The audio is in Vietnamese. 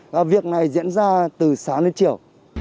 và việc này diễn ra từ sáng đến chiều